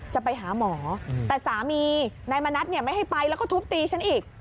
จะไปหาหมอแต่สามีนายมณัฐไม่ให้ไปแล้วก็ทุบตีฉันอีก